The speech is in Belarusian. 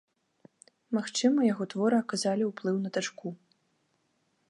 Магчыма, яго творы аказалі ўплыў на дачку.